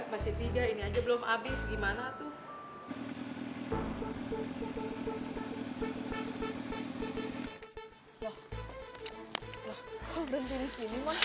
masih tiga ini aja belum abis gimana tuh